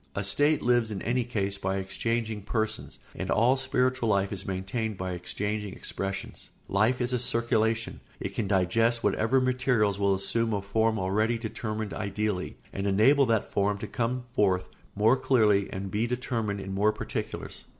A state lives in any case by exchanging persons, and all spiritual life is maintained by exchanging expressions. Life is a circulation; it can digest whatever materials will assume a form already determined ideally and enable that form to come forth more clearly and be determined in more particulars.